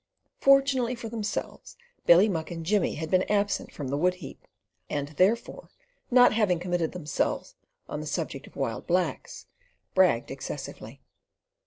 Fortunately for themselves, Billy Muck and Jimmy had been absent from the wood heap, and, therefore, not having committed themselves on the subject of wild blacks, bragged excessively.